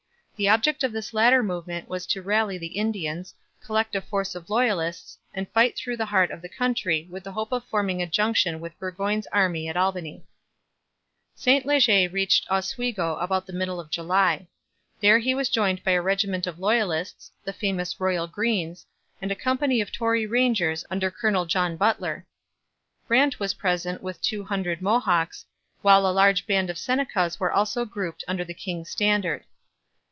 The object of this latter movement was to rally the Indians, collect a force of loyalists, and fight through the heart of the country with the hope of forming a junction with Burgoyne's army at Albany. St Leger reached Oswego about the middle of July. There he was joined by a regiment of loyalists, the famous Royal Greens, and a company of Tory Rangers under Colonel John Butler. Brant was present with two hundred Mohawks, while a large band of Senecas were also grouped under the king's standard.